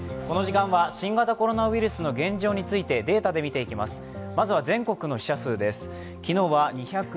この時間は新型コロナウイルスの現状についてデータで見ていきます。